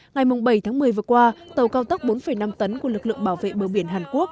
ngày bảy tháng một mươi vừa qua tàu cao tốc bốn năm tấn của lực lượng bảo vệ bờ biển hàn quốc